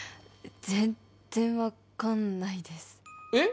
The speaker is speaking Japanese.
全然分かんないですえっ？